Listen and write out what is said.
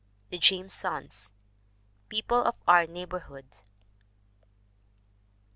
The Jamesons. People of Our Neighborhood.